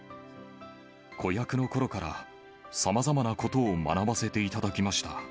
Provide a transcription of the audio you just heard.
子役のころから、さまざまなことを学ばせていただきました。